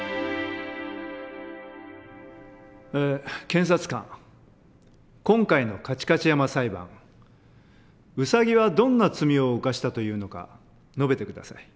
検察官今回の「カチカチ山」裁判ウサギはどんな罪を犯したというのか述べて下さい。